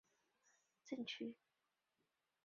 格兰特镇区为美国堪萨斯州渥太华县辖下的镇区。